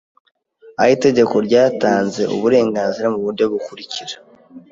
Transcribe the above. Aha itegeko ryatanze uburenganzira mu buryo bukurikira